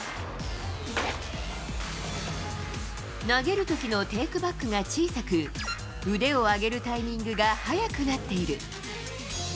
投げるときのテイクバックが小さく、腕を上げるタイミングが速くなっている。